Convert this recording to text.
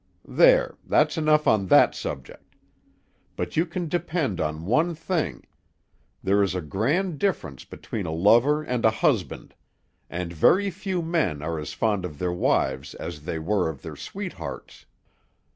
There; that's enough on that subject. But you can depend on one thing: there is a grand difference between a lover and a husband; and very few men are as fond of their wives as they were of their sweethearts.